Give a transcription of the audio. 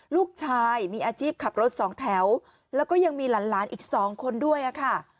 ลูกชายมีอาชีพขับรถสองแถวแล้วก็ยังมีหลานอีกสองคนด้วยค่ะ